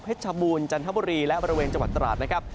ชบูรณจันทบุรีและบริเวณจังหวัดตราดนะครับ